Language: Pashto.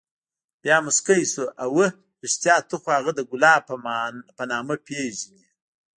بيا موسكى سو اوه رښتيا ته خو هغه د ګلاب په نامه پېژنې.